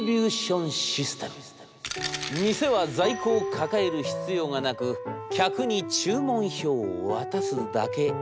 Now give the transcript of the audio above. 「店は在庫を抱える必要がなく客に注文票を渡すだけ。